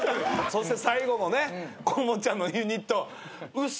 そして最後のね河本ちゃんのユニット。